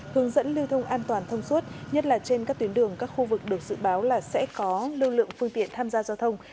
hướng dẫn lưu thông an toàn thông suốt nhất là trên các tuyến đường các khu vực được dự báo là sẽ có lưu lượng phương tiện tham gia giao thông